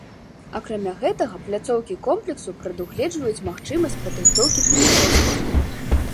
Акрамя гэтага, пляцоўкі комплексу прадугледжваюць магчымасць падрыхтоўкі тэнісістаў.